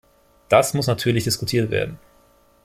Das muss natürlich diskutiert werden.